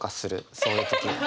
そういう時は。